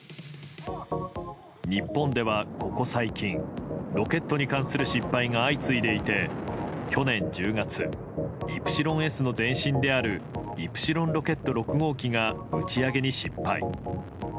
日本ではここ最近ロケットに関する失敗が相次いでいて去年１０月イプシロンＳの前身であるイプシロンロケット６号機が打ち上げに失敗。